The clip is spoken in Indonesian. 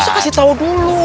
ustaz kasih tahu dulu